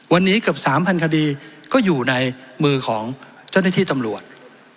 วันนี้เกือบ๓๐๐คดีก็อยู่ในมือของเจ้าหน้าที่ตำรวจ